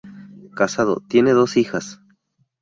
Casado, tiene dos hijas